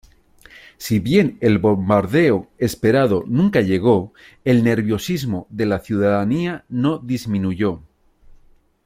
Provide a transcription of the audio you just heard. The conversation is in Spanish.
Si bien el bombardeo esperado nunca llegó, el nerviosismo de la ciudadanía no disminuyó.